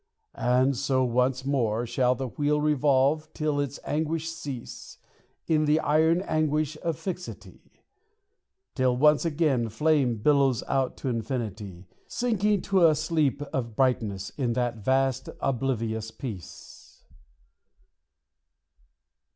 And so once more Shall the wheel revolve till its anguish cease In the iron anguish of fixity; Till once again Flame billows out to infinity, Sinking to a sleep of brightness In that vast oblivious peace.